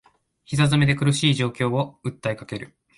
膝詰めで苦しい現状を訴えかける